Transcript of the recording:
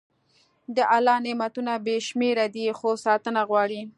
د الله نعمتونه بې شمېره دي، خو ساتنه غواړي.